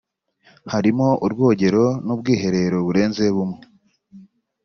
harimo urwogero n’ubwiherero burenze bumwe